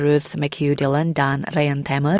ruth mchugh dillon dan ryan tamer